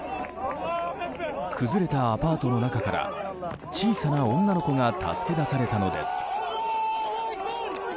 崩れたアパートの中から小さな女の子が助け出されたのです。